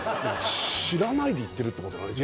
知らないで行ってるってことだね